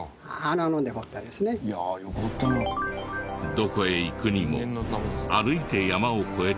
どこへ行くにも歩いて山を越えた時代。